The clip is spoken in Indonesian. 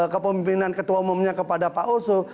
kepemimpinan ketua umumnya kepada pak oso